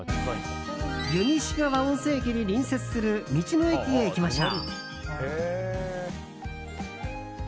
湯西川温泉駅に隣接する道の駅へ行きましょう。